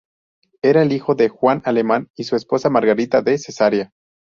Era el hijo de Juan Alemán y su esposa Margarita de Cesarea.